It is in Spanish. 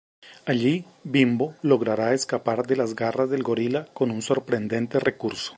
Allí, Bimbo logrará escapar de las garras del gorila con un sorprendente recurso.